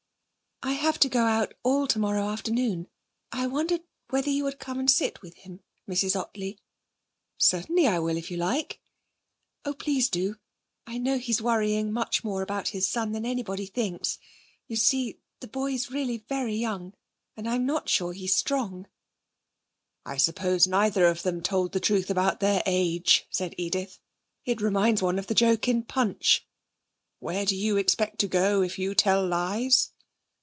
'I have to go out all tomorrow afternoon. I wondered whether you would come and sit with him, Mrs. Ottley?' 'Certainly I will, if you like.' 'Oh, please do! I know he's worrying much more about his son than anybody thinks. You see, the boy's really very young, and I'm not sure he's strong.' 'I suppose neither of them told the truth about their age,' said Edith. 'It reminds one of the joke in Punch: "Where do you expect to go if you tell lies?